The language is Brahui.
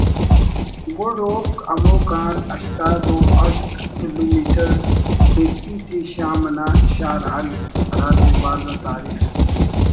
گڈ اوفک ہموکان ہشتاد و ہشت کلو میٹر دیکی ٹی شام انا شار حلب (ہرادے بھاز آ تاریخ